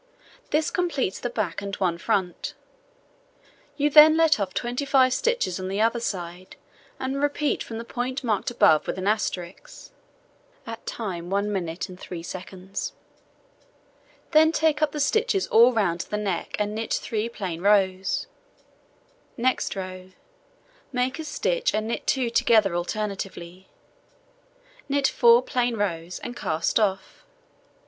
This completes the back and one front. You then let off 25 stitches on the other side, and repeat from the point marked above with an asterisk. Then take up the stitches all round the neck, and knit 3 plain rows. Next row: Make a stitch and knit 2 together alternately, knit 4 plain rows, and cast off.